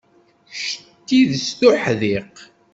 Kečč d tidet d uḥdiq.